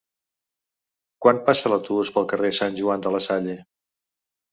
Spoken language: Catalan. Quan passa l'autobús pel carrer Sant Joan de la Salle?